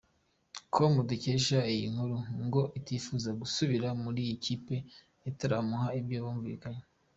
com dukesha iyi nkuru ko atifuza gusubira muri iyi kipe itaramuhaye ibyo bumvikanye.